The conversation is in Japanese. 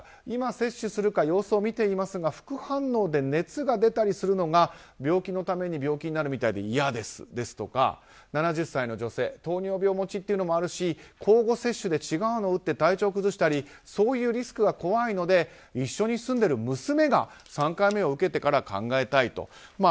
今接種するか様子を見ていますが副反応で熱が出たりするのが病気のために病気になるようで嫌ですとか７０歳の女性糖尿病持ちというのもあるし交互接種で違うのを打って体調を崩したりそういうリスクが怖いので一緒に住んでいる娘が３回目を受けてから考えたいと。